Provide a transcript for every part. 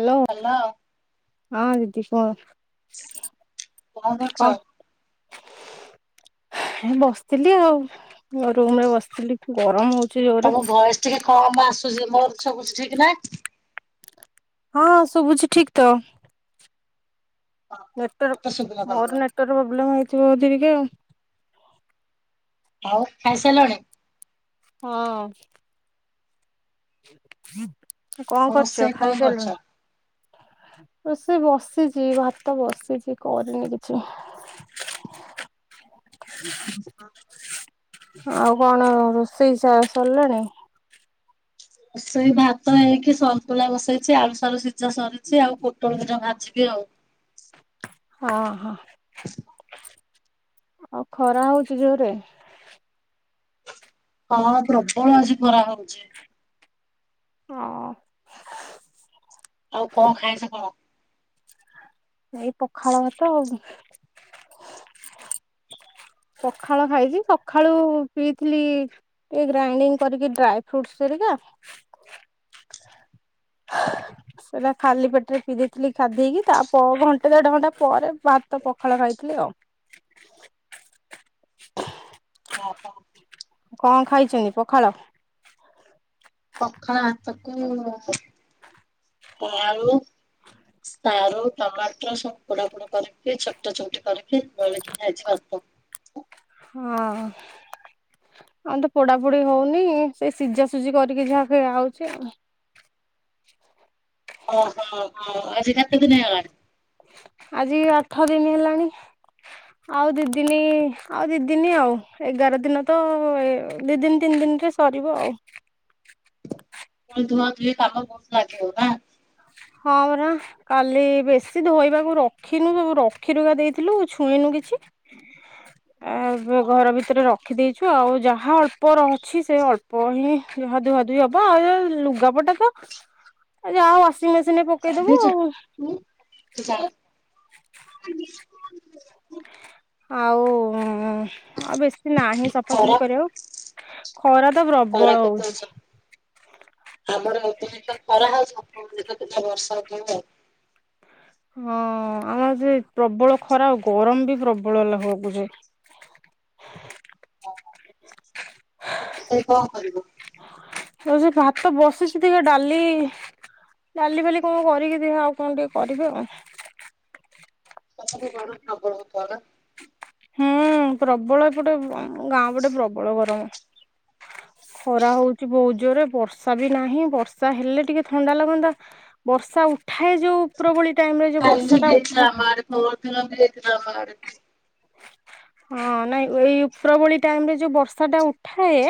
Hello ହଁ ଦିଦି କୁହ। କଣ କର୍ଚ। ଏଇ ବସ୍ଥିଲି ଆଉ। ମୋ ରୁମ୍ ରେ ବସ୍ଥିଲି ଗରମ୍ ହଉଚି ଜୋରେ। ତମ ଭଏସ ଟିକେ କମ୍ ଆସୁଚି ମୋର ସବୁ ଠିକ ନା। ହଁଁ ସୁଭୁଛି ଠିକ୍ ତ। ମତେ ଶୁଭିଲା ନେଟୱାର୍କ ତମର ମୋର ନେଟୱାର୍କ ପ୍ରୋବ୍ଲେମ୍ ହେଇଥିବ ଯଦି ଟିକେ ଆଉ। ଆଉ ଖାଇସାରିଲଣି। ହଁ। କଣ କରୁଚ ରୋଷେଇ କଣ କରିଛ? ଖାଇସାରିଲଣି। ରୋଷେଇ ବସିଚି ଭାତ ବସିଛି କରିନି କିଛି। [inaudible] ଆଉ କଣ ରୋଷେଇ ସ ସର୍ଲାଣି। ରୋଷେଇ ଭାତ ହେଇକି ସନ୍ତୁଳା ବସେଇଛି ଆଳୁ ସାରୁ ସିଝା ସରିଚି ଆଉ ପୁ ଟୋଳ ଦିଟା ଭାଜିବି ଆଉ। ଓଁ ହୋ। [inaudible] ଆଉ ଖରା ହଉଚି ଜୋରେ। ହଁ ପ୍ରବଳ ଆଜି ଖରା ହଉଚି। ହଁ। ଆଉ କଣ ଖାଇଚ କଣ। ଏଇ ପଖାଳ ଭାତ ଆଉ କଂ। ପଖାଳ ଖାଇଚି ସଖାଳୁ ପିଇଥିଲି। ଏଇ ଗ୍ରାଇଣ୍ଡିଙ୍ଗ୍ କରିକି ଡ୍ରାଏ ଫୁଡ୍ସ୍ ହେରିକା। [inaudible] ସେଇଟା ଖାଲି ପେଟରେ ପିଇ ଦେଇଥିଲି ଖାଧେଇକି ତା ପ ଘଣ୍ଟେ ଦେଢ଼ ଘଣ୍ଟା ପରେ ଭାତ ପଖାଳ ଖାଇଥିଲି ଆଉ। [inaudible] [unintelligible] କଣ ଖାଇଚନ୍ତି ପଖାଳ। [unintelligible] [unintelligible] ଆଳୁ। ସାରୁ ଟମାଟର ସବୁ ପୋଡା ପୋଡ କରିକି ଛୋଟ ଚୋଟି କରିକି ମିଳିକି ଖାଇଛି ଭାତ ହଁ। ଆଉ ତ ପୋଡାପୋଡି ହଉନି ସେ ସିଝାସୁଝି କରିକି ଯାହା ଖ ଖାଉଛି ଆ ଓହୋ ଓ ଆଜି ସାତ ଦିନ୍ ହେଇଗଲାଣି। ଆଜି ଆଠ ଦିନ୍ ହେଲାଣି। ଆଉ ଦିଦିନି ଆଉ ଦିଦିନି ଆଉ ଏଗାର ଦିନ ତ ଦି ଦିନ୍ ତିନ୍ ଦିନ୍ରେ। କରିବ ଆଉ। ପ ଧୁଆ ଧୁଇ କାମ ବୋହୁତ୍ ଲାଗିବ ନା। ହଁ ପରା। କାଲି ବେଶୀ ଧୋଇବାକୁ ରଖିନୁ ସବୁ ରଖି ରା ଦେଇଥିଲୁ ଛୁଇଁନୁ କିଛି। ଆଉ ଏବେ ଘର ଭିତରେ ରଖ୍ ଖିଦେଇଛୁ ଆଉ ଯାହା ଅଳ୍ପ ର ଅଛି ସେ ଅଳ୍ପ ହିଁ ଯାହା ଧୁଆଧୁଇ ହବ ଆଉ ଏ ଲୁଗାପଟା ଵ ଯାହା ୱାସିଂ ମେସିନରେ ପକେଇଦବୁ ଆଉ। ହୁଁ [unintelligible] ଆମିଷ ଆଉ ଆଉ ବେଶୀ ନାହିଁ ସଫାସଫି ଖରା କରିବାକୁ ଖରା ତ ଖରା ପ୍ରବଳ କେତେ ହଉଛି। ଅଛି ଆମର [unintelligible] ବର୍ଷା ଉଠେଇବ। ହଁ ଆମର ସେ ପ୍ରବଳ ଖରା ଆଉ ଗରମ ବି ପ୍ରବଳ ଲା ହଗୁଛି। ରୋଷେଇ କଣ କରିବ? ହଉ ସେ ଭାତ ବସିଛି ଦେଖିଆ ଡାଲି ଡାଲି ଫାଲି କଣ କରିକି ଦେଖିଆ ଆଉ କଣ ଟିକେ କରିବି ଆଉ। ପଛକୁ ଗରମ ପ୍ରବଳ ହଉଥିବନା? ହମ୍ ପ୍ରବଳ ଏପଟେ ଗାଁ ପଟେ ପ୍ରବଳ ଗରମ। ଖରା ହଉଛି ବହୁ ଜୋରରେ ବର୍ଷା ବି ନାହିଁ ବର୍ଷା ହେଲେ ଟିକେ ଥଣ୍ଡା ଲାଗନ୍ତା। ବର୍ଷା ଉଠାଏ ଯୋଉ ଉପରବଳି ଟାଇମ ରେ ଯୋଉ ବର୍ଷା ଟା ଉଠାଏ ପରଦିନ ବି ହେଇଥିଲା ଅମା ଆଡ଼େ। ହଁ ନାଇଁ ଏଇ ଉପରବଳି ଟାଇମ ରେ ଯୋଉ ବର୍ଷା ଟା ଉଠାଏ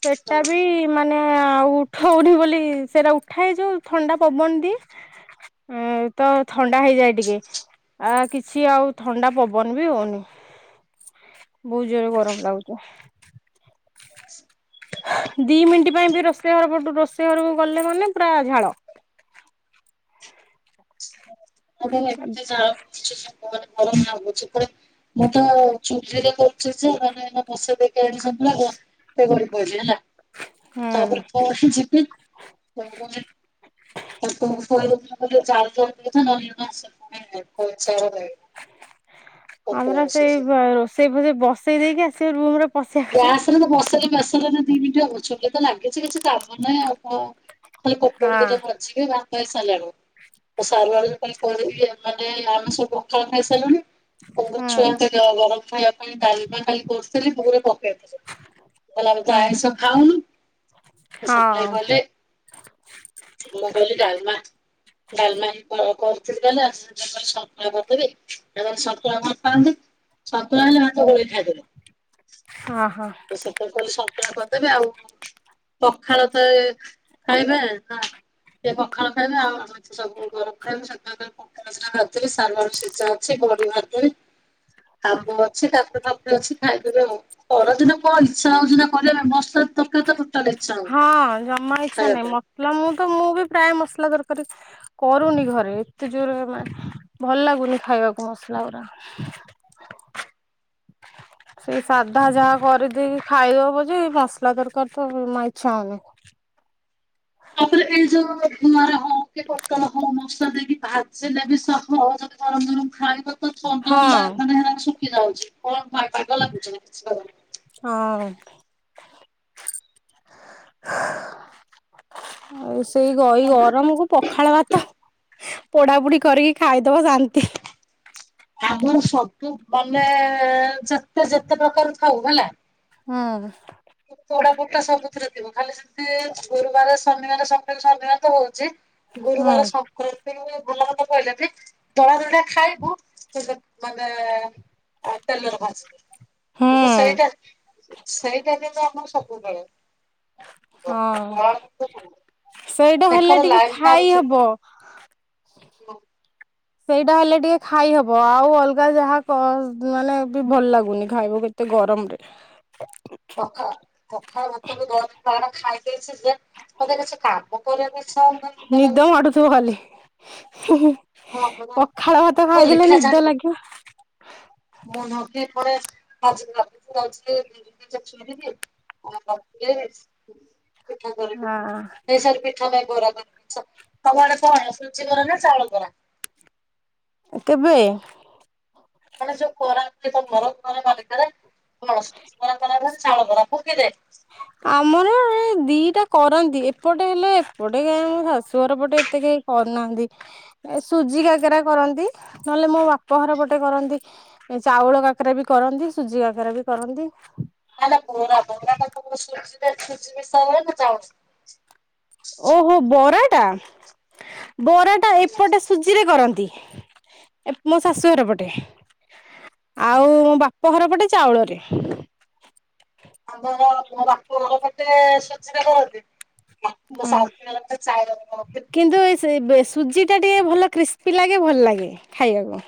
ସେଟା ହଁ ବି ମାନେ ଆଉ ଉଠଉନି ବୋଲି ସେଟା ଉଠାଏ ଯୋଉ ଥଣ୍ଡା ପବନ ଦିଏ। ଉଁ ତ ଥଣ୍ଡା ହେଇଯାଏ ଟିକେ ଆ କିଛି ଆଉ ଥଣ୍ଡା ପବ ବନ ବିି ହଉନି ବହୁତ ଜୋରେ ଗରମ ଲାଗୁଛି। ଦି ମିନିଟ୍ ପାଇଁ ବି ରୋଷେଇ ଘର ପଟୁ ରୋଷେଇ ଘରକୁ ଗଲେ ମାନେ ପୁରା ଝାଳ। ମାନେ ଏତେ ଝାଳ ବହୁଚି ଯେ ମୁହଁରେ ଗରମ ଲାଗୁଛି ଏପଟେ ମୁଁ ତ ଚୁଲିରେ କରୁଛି ଯେ ମାନେ ବସେଇ ଦେଇକି ଆଇଲି ସନ୍ତୁଳା ସେ ଗଳିପହିଲା ହେଲା ହୁଁ ତାପରେ ପୁଣି ଯିବି ହେ ଭଗବାନ। ହ ତାକୁ [unintelligible] ହୁଁ [unintelligible] ଆମର ସେଇ ରୋଷେଇ ପୋଷେଇ ବସେଇ ଦେଇକି ଆସିବେ ରୁମରେ ଗ୍ୟାସ ରେ ତ ବସେଇଲେ ପ୍ରେସରରେ ଦି ମିନିଟ ହବ ଚୁଲି ତ ଲାଗିଛି କିଛି କାମ ନାହିଁ ଆଉ କଣ। ତା ପୋଟଳ ହଁ ଦିଟା ବାଝିବି ବାସିଲ ଆଳୁ। ସାଲାଡ଼ ରେ କାଲି ପାନି ଇଏ ମାନେ ଆମେ ସବୁ ଅଖାଳ ଖାଇସାରିଲୁଣି। [unintelligible] ହୁଁ କହିଲେ ଆମେ ତ ହଁ ଆଇଁଷ ଖାଉନୁ ସେଥିଲାଗି ହଁ କହିଲେ ମୁଁ କହିଲି ଡାଲମା ଡାଲମା ହିଁ କ-କରହୁଥିଲି କହିଲ ଆସ [unintelligible] ସନ୍ତୁଳା କରିଥାନ୍ତି ସନ୍ତୁଳା ହେଲେ ଭାତ ଗୋଳେଇ ଖାଇଦେବେ। ଅହଁ ହଁ। ସେତେଳେ କହିଲି ସନ୍ତୁଳା କରିଦେବେ ଆଉ। ପଖାଳ ତେ ଖାଇବେ ନା ସେ ପଖାଳ ଖାଇବ। ଆଉ ସବୁ ଗରମ ଖାଇବୁ [unintelligible] [unintelligible] ଖାଉଥିଲେ ସାନର ସିଝା ଅଛି ବଡି ଭାଜି। ଆମ୍ବ ଅଛି କାକୁଡ଼ି ଫାକୁଡି ଅଛି ଖାଇଦେବେ ଆଉ ଖରାଦିନ ମୋ ଇଚ୍ଛା ହଉଛିନା କରିବା ପାଇଁ ମସଲା ତରକାରୀ ତ ଟୋଟାଲ ଇଚ୍ଛା ହଉନି ହଁ ଜମା ଇଚ୍ଛା ଖାଇବା ନାହିଁ ପାଇଁ। ମସଲା ମୁଁ ତ ମୁଁ ବି ପ୍ରାୟ ମସଲା ତରକାରୀ କରୁନି ଘରେ ଏତେ ଜୋର ମାନେ ଭଲ ଲାଗୁନି ଖାଇବାକୁ ମସଲା ଗୁରା। ସେଇ ସାଧା ଯାହା କରିଦେଇକି ଖାଇଦବ ପଛେ ମସଲା ତରକାରୀ ତ ଜମା ଇଚ୍ଛା ହଉନି। ତାପରେ ଏଇ ଯୋଉ ଧୁଆର ହଉ କି ପଟଳ ହଉ ମସା ଦେବି ଭାଜି ଦେବି [unintelligible] ଗରମ ଗରମ ଖାଇବା ତ ଥଣ୍ଡା ହେଇ ହେଲା ହଁ ମାନେ ହେରା ଶୁଖି ଯାଉଛି କଣ ବାଗ ଲାଗୁଛି ବାଗନି। ହଁ। ଆଉ ସେଇ ଏଇ ଲାଗୁନି। ଗରମକୁ ପଖାଳ ଭାତ। ପୋଡା ପୋଡି କରିକି ଖାଇଦବ ଶାନ୍ତି। ଆମର ସବୁ ମାନେ ଯା ତ ଯେତେ ପ୍ରକାର ଥାଉ ହେଲା। ହଁ। ପୋଡା ପୁଡ଼ି ଟା ସବୁଥିରେ ଥି ଖାଲି ସେମିତି ଗୁରୁବାର ଶନିବାର ସ ଶନିବାର ତ ହଉଛି ହୁଁ ଗୁରୁବାର ସ [unintelligible] ଖାଇଲେ ବି ଦଳା ଦଳା ଖାଇବୁ ମାନେ। ଆ ତେଲରେ ହୁଁ ଭାଜିକି [unintelligible] ସେଇଟା ସେ ଆମର ସବୁବେଳେ ହଁ [unintelligible] ସେଇଟା ହେଲେ ଟିକେ ଲାଇନ ଖାଇ ମାରୁଛି ହବ। [unintelligible] ସେଇଟା ହେଲେ ଟିକେ ଖାଇହବ ଆଉ ଅଲଗା ଯାହା ମାନେ ବି ଭଲ ଲାଗୁନି ଖାଇବବି। ଏତେ ଗରମରେ। ହ ପଖା ପଖାଳ ଭାତ ବି [unintelligible] ପାହାର ଖାଇ ଦେଇଛି ଯେ। ମୋତେ କିଛି କାମ କରିବାକୁ ଇଛା ହଉନି। ନିଦ ମାଡୁଥିବ ଖାଲି ହଁ ପରା ପଖାଳ ଭାତ ମୋ ଖାଇଦେଲେ ଲେଖା ନିଦ ଛାଡିକି ଲାଗେ [inaudible] [unintelligible] ବରା ତମ ଆଡେ କଣ ସୁଜି ହଁ ବରା ନା ଚାଉଳ ବରା? କେବେ। ମାନେ ଯୋଉ କରନ୍ତି ତମର [unintelligible] ମାଲିକାରେ କଣ ବରା କର ନା ଚାଉଳ ବରା ଫୁକି ଦେ। ଆମର ଏ ଦିଟା କରନ୍ତି ଏପଟେ ହେଲେ ଏପଟେ ଆମ ଶାଶୁ ଘର ପଟେ ଏତେ କେହି କରୁନାହାନ୍ତି ଏ ସୁଜି କାକେରା କରନ୍ତି ନହେଲେ ମୋ ବାପ ଘର ପଟେ କରନ୍ତି। ଏ ଚାଉଳ କାକରା ବି କରନ୍ତି ସୁଜି କାକରା ବି କରନ୍ତି। ନା ନା ବରା ବରା ଟା ତମର ସୁଜି [unintelligible] ନା ଚାଉଳ ରେ। ଓହୋ ବରାଟା ବରାଟା ଏପଟେ ସୁଜିରେ କରନ୍ତି ମୋ ଶାଶୁଘର ପଟେ। ଆଉ ମୋ ବାପ ଘର ପଟେ ଚାଉଳରେ। ଆମର ମୋ ବାପ ଘର ପଟେ ସୁଜିରେ କରନ୍ତି। ହୁଁ। [inaudible] କିନ୍ତୁ ଏ ସେ ସୁଜି ଟା ଟିକେ ଭଲ କ୍ରିସ୍ପି ଲାଗେ ଭଲ ଲାଗେ ଖାଇବାକୁ।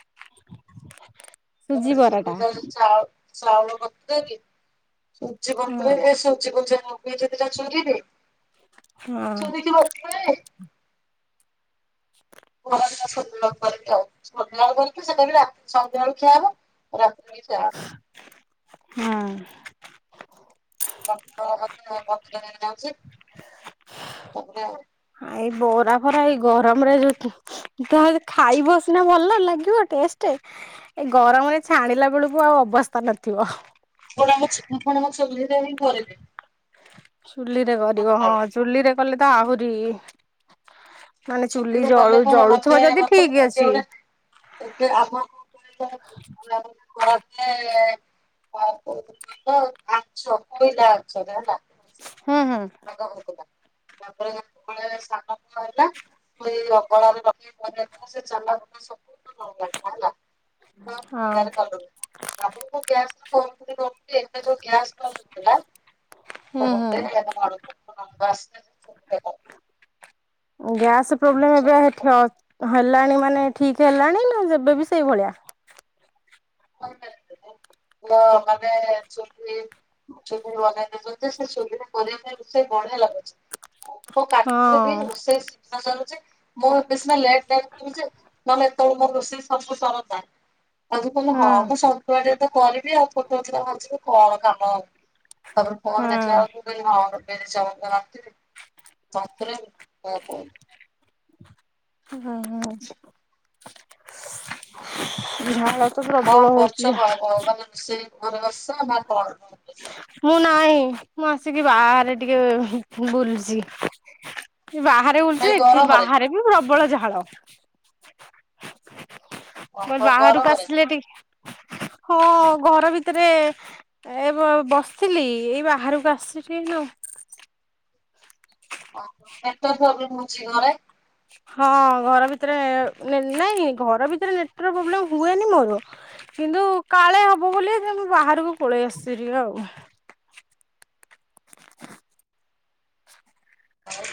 [unintelligible] ସୁଜି ବରାଟା ଚାଉଳ କରିିବେ କି ସୁଜି ହଁ କରିିବେ ଏ ସୁଜି [unintelligible] ପେଜ ଦିଟା! ! ! ! ! ! ! ! ! ! ବସିବେ। ମର ସନ୍ଧ୍ୟାବେଳୁ କରିବି ଆଉ ସନ୍ଧ୍ୟା ବେଳ କରିକି ସେଇଟା ବି ରାତି ସନ୍ଧ୍ୟାବେଳୁକୁ ଖିଆ ହବ। ରତିରେ କିସ ହୁଁ। [inaudible] ତାପରେ ଆଉ ଏଇ ବରା ଫରା ଏଇ ଗରମରେ ଯୋଉ ତାମେ ଖାଇବ ସିନା ଭଲ ଲାଗିବ ଟେଷ୍ଟେ। ଏଇ ଗରମରେ ଛାଣିଲା ବେଳକୁ ଆଉ ଅବସ୍ଥା ନଥିବ। ପୁଣି ମୁଁ ପୁଣି ମୁଁ ଚୁଲିରେ ନେଇ ଘରେ କ ଚୁଲିରେ କରିବ ହଁ ଚୁଲିରେ କଲେ ତ ଆହୁରି। ମାନେ ଚୁଲି ଚୁଲିରେ କଲେ ଜଳୁ କଣ ମାନେ ଜଳୁଥୁବ ଯଦି ମତେ ଠିକ୍ ଅଛି। ଯୋଉଟା ଏବେ ଆମ [unintelligible] କରାଯାଏ [unintelligible] ହେଲା। ହୁଁ ହୁଁ। [unintelligible] ତା ପରେ ଯେତବେଳେ ସାନ ପୁଅ ହେଲା ତାକୁ ଏଇ ଅଗଳାରେ ରଖି [unintelligible] ସେ ଚାଲା ହଁ [unintelligible] ହଁ [unintelligible] ହୁଁ ହୁଁ। [unintelligible] ଗ୍ୟାସ୍ ପ୍ରୋବ୍ଲେମ୍ ଏବେ ଠ ହେଲାଣି ମାନେ ଠିକ୍ ହେଲାଣି ନା ଏବେ ବି ସେଇଭଳିଆ? କହିପାରିବିନି [unintelligible] ମାନେ ଚୁଲି ଚୁଲି [unintelligible] ସେ ଚୁଲିରେ କରିବା ପାଇଁ ରୋଷେଇ ବଢିଆ ଲାଗୁଛି ଆଉ [unintelligible] ହଁ ରୋଷେଇ [unintelligible] ମୁଁ ଏବେ ସିନା ଲେଟ୍ ଯାଏ କରୁଚି ନ ହେଲେ ଏତଳୁ ମୋର ରୋଷେଇ ସବୁ ସାରନ୍ତାଣି। ମୁଁ କଇଲି ହଁ ମୁଁ ସବୁ ଆଡେ ତ କରିବି ଆଉ ପୋଟଳ ଦି ଟା ଭାଜିବି କଣ କାମ ଆଉ? ତା ପରେ ଫଗ୍ ନାଚିଲା ହଁ ବେଳକୁ ମୁଁ କଇଲି ହଁ ଲୋ। [unintelligible] ହଁ। ଝାଳ ତ ପ୍ରବଳ ହଉଚି ଝା [unintelligible] ସେ ଭରଷା [unintelligible] ମୁଁ ନାହିଁ ମୁଁ ଆସିକି ବାହାରେ ହୁଁ ଟିକେ ବୁଲୁଚି। ବାହାରେ ଏଇ ବୁଲୁଚୁ ଏଠି ଗରମରେ ବାହାରେ ବି ପ୍ରବଳ ଝାଳ। ମୁଁ କଇଲି ଓହୋ ବାହାରୁକୁ ଗରମରେ ଆସିଲେ ଟି ହଁ ଘର ଭିତରେ ଏ ବ-ବସିଥିଲି ଏଇ ବାହାରୁକୁ ଆଶୁଚି ଏଇନା ଆଉ। ଓହୋ ନେଟୱାର୍କ ପ୍ରୋବ୍ଲେମ ହଉଚି ଘରେ। ହଁ ଘର ଭିତରେ ନେ-ନାଇଁ ଘର ଭିତରେ ନେଟୱାର୍କ ପ୍ରୋବ୍ଲେମ୍ ହୁଏନି ମୋର। କିନ୍ତୁ କାଳେ ହବ ବୋଲି ତେଣୁ ବାହାରୁକୁ ପଳେଇ ଆସିଚି ଟିକେ ଆଉ। ଆଉ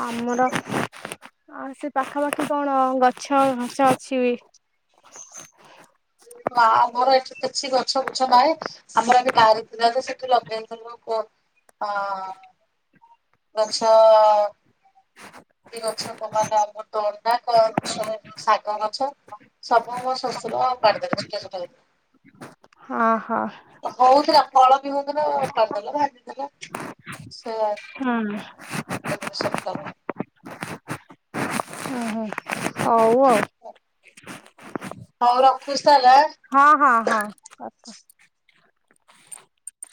ଆମର ଆ ସେ ପାଖାପାଖି କଣ ଗଛ ଗଛ ଅଛି ବି। ଆ ଆମର ଏଠି କିଛି ଗଛ ଗୁଛ ନାହିଁ। ଆମର ଆଗେ ବାରି ଥିଲା ଯେ ସେଠି ଲଗେଇଥିଲୁ ପୋ ହଁ। ଗଛ କି ଗଛ [inaudible] ଅମୃତଭଣ୍ଡା ଗଛ ଏବଂ ଶାଗ ଗଛ। ସବୁ ମୋ ଶଶୁର ଓପାଡ଼ିଦେଲେ [unintelligible] ହଁ ହଁ। ହଉଥିଲା ଫଳ ବି ହଉଥୁଲା ଓପାଡ଼ିଦେଲା ଭାଜିଦେଲା ସେଇଆ ହୁଁ। ତା ପରେ ସବୁ ଗଲା। ହୁଁ ହୁଁ ହଉ ଆଉ। ହଉ ରଖୁଚି ତାହେଲେ ଆଁ। ହଁ ହଁ ହଁ କାଟ।